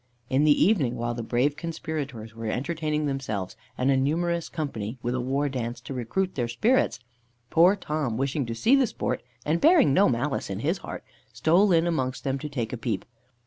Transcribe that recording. In the evening, while the brave conspirators were entertaining themselves and a numerous company with a war dance, to recruit their spirits, poor Tom, wishing to see the sport, and bearing no malice in his heart, stole in amongst them to take a peep.